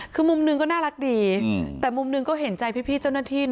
คือมุมหนึ่งก็น่ารักดีแต่มุมหนึ่งก็เห็นใจพี่เจ้าหน้าที่นะ